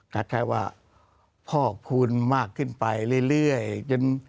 คล้ายว่าพอกภูมิมากขึ้นไปเรื่อยจน